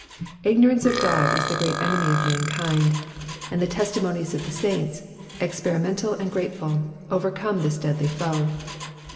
Ignorance of God is the great enemy of mankind, and the testimonies of the saints, experimental and grateful, overcome this deadly foe.